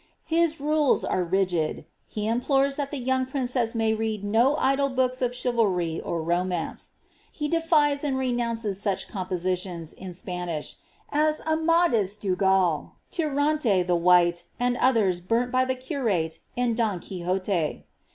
His rules are rigid : he implores that the ybung princeH may read no idle books of chivalry or romance. He defies and re nouncefl such compositions, in Spanish, as ^Amadis du GSanl,^ TiiaBle the White,^' and others burnt by the cnrete in ^ Don Qqixote."